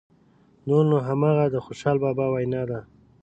نور نو همغه د خوشحال بابا وینا ده.